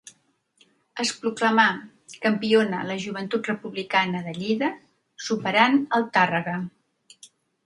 Es proclamà campiona la Joventut Republicana de Lleida, superant el Tàrrega.